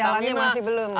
itu jalannya masih belum ya